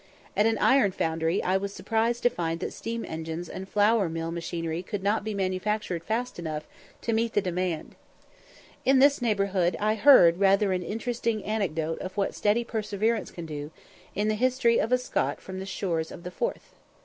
At an iron foundry I was surprised to find that steam engines and flour mill machinery could not be manufactured fast enough to meet the demand. In this neighbourhood I heard rather an interesting anecdote of what steady perseverance can do, in the history of a Scot from the shores of the Forth.